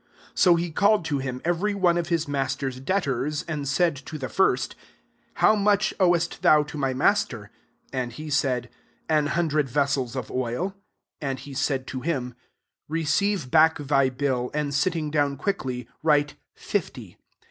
5 So he called to him every oneof his tnaster's debtors, and K»d to the first, ' How much owest thou to ray master ?' 6 And he said, ^An hundred ves sels of oil.' And he said to him, 'Receive Aack thy bill, and sit ting down quickly, write fifty.